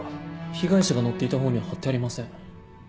被害者が乗っていた方には貼ってありません。